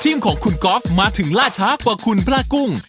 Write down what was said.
ของคุณก๊อฟมาถึงล่าช้ากว่าคุณพระกุ้ง